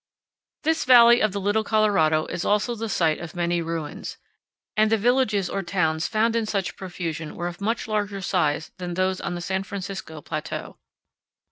This valley of the Little Colorado is also the site of many ruins, and the villages or towns found in such profusion were of mueh larger size than those on the San Francisco Plateau.